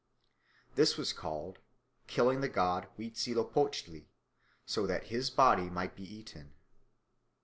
This was called "killing the god Huitzilopochtli so that his body might be eaten."